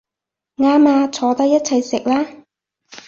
啱吖，坐低一齊食啦